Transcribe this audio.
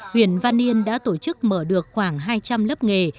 huyện văn yên đã tổ chức mở được khoảng hai trăm linh lớp nghề